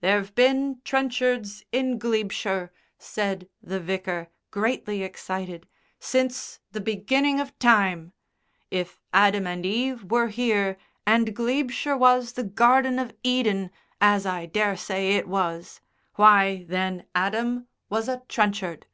"There've been Trenchards in Glebeshire," said the Vicar, greatly excited, "since the beginning of time. If Adam and Eve were here, and Glebeshire was the Garden of Eden, as I daresay it was, why, then Adam was a Trenchard."